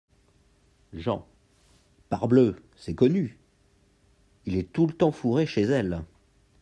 Jean. — Parbleu ! c’est connu ! il est tout le temps, fourré chez elle…